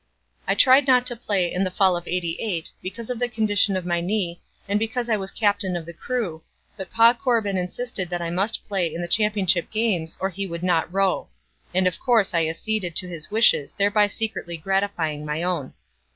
I tried not to play in the fall of '88 because of the condition of my knee and because I was Captain of the Crew, but Pa Corbin insisted that I must play in the championship games or he would not row: and of course I acceded to his wishes thereby secretly gratifying my own.